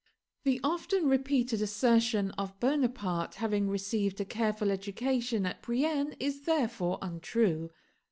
The often repeated assertion of Bonaparte having received a careful education at Brienne is therefore untrue.